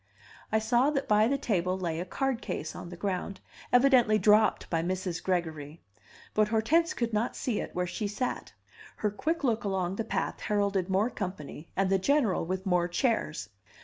I saw that by the table lay a card case on the ground, evidently dropped by Mrs. Gregory; but Hortense could not see it where she sat. Her quick look along the path heralded more company and the General with more chairs.